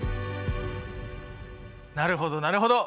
なるほどなるほど！